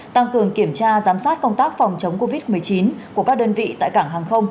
tăng cường kiểm tra giám sát công tác phòng chống covid một mươi chín của các đơn vị tại cảng hàng không